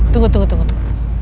tunggu tunggu tunggu